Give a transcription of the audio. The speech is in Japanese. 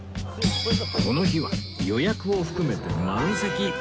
この日は予約を含めて満席